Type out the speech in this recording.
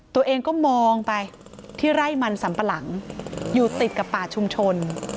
ตัวเองก็มองไปที่ไร่มันสัมปะหลังอยู่ติดกับป่าชุมชน